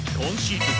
今シーズン